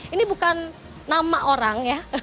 ini bukan nama orang ya